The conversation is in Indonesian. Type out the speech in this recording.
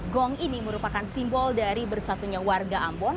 gong ini merupakan simbol dari bersatunya warga ambon